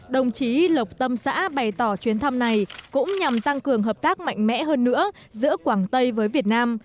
đồng chí lộc tâm xã bày tỏ chuyến thăm này cũng nhằm tăng cường hợp tác mạnh mẽ hơn nữa giữa quảng tây với việt nam